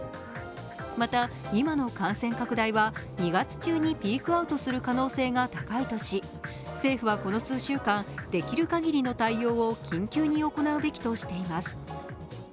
また今の感染拡大は２月中にピークアウトする可能性が高いとし政府はこの数週間、できるかぎりの対応を緊急に行うべきとしています。